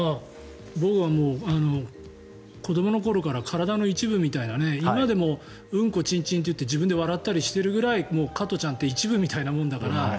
僕は子どもの頃から体の一部みたいな今でもうんこちんちんって言って自分で笑ったりしているぐらい加トちゃんって一部みたいなもんだから。